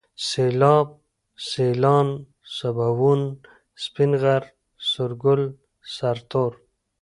سيلاب ، سيلان ، سباوون ، سپين غر ، سورگل ، سرتور